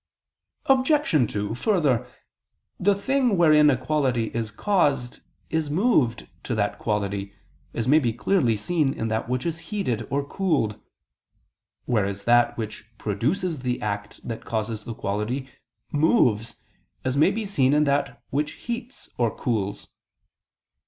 Obj. 2: Further, the thing wherein a quality is caused is moved to that quality, as may be clearly seen in that which is heated or cooled: whereas that which produces the act that causes the quality, moves, as may be seen in that which heats or cools.